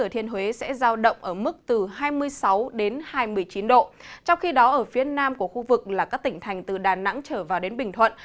trong khi đó ở phía nam của khu vực là các tỉnh thành từ đà nẵng trở vào đến bình thuận